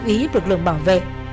ý lực lượng bảo vệ